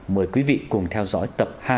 mời quý vị cùng theo dõi tập hai